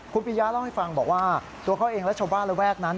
คุณปียะเล่าให้ฟังบอกว่าตัวเขาเองและชาวบ้านระแวกนั้น